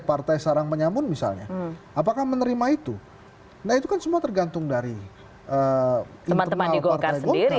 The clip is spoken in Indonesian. partai sarang penyambun misalnya apakah menerima itu nah itu kan semua tergantung dari teman teman di gokar sendiri